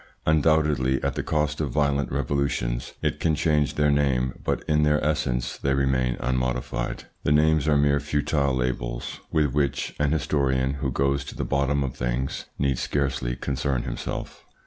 Undoubtedly, at the cost of violent revolutions, it can change their name, but in their essence they remain unmodified. The names are mere futile labels with which an historian who goes to the bottom of things need scarcely concern himself.